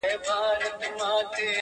o پر دې دنیا سوځم پر هغه دنیا هم سوځمه.